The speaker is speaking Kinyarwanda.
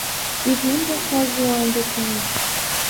sinkunda ko aje iwanjye kenshi